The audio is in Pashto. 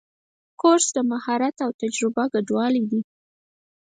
کورس د مهارت او تجربه ګډوالی دی.